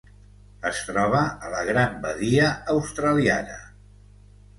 Es troba a la Gran Badia Australiana.